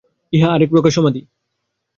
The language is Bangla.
ইহা আর এক প্রকার সমাধি।